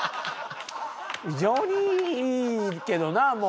非常にいいけどなもう。